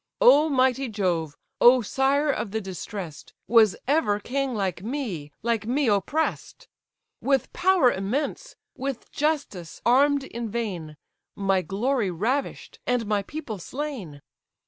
O mighty Jove! O sire of the distress'd! Was ever king like me, like me oppress'd? With power immense, with justice arm'd in vain; My glory ravish'd, and my people slain!